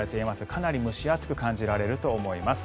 かなり蒸し暑く感じられると思います。